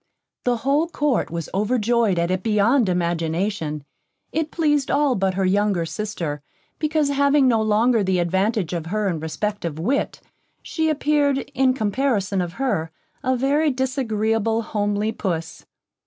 The whole Court was overjoyed at it beyond imagination; it pleased all but her younger sister; because having no longer the advantage of her in respect of wit, she appeared, in comparison of her, a very disagreeable, homely puss.